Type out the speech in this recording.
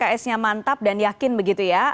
pks nya mantap dan yakin begitu ya